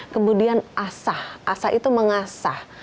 kemudian asah asah itu mengasah